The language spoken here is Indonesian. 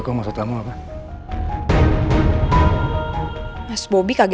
udah sama gak